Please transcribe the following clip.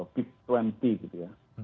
b dua puluh gitu ya